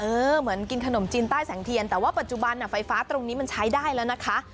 เหมือนกินขนมจีนใต้แสงเทียนแต่ว่าปัจจุบันไฟฟ้าตรงนี้มันใช้ได้แล้วนะคะ